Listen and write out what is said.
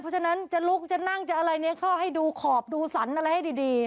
เพราะฉะนั้นจะลุกจะนั่งจะอะไรเนี่ยเขาให้ดูขอบดูสันอะไรให้ดี